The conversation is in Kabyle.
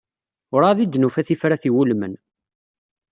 Urɛad i d-nufa tifrat iwulmen.